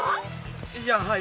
いやはい。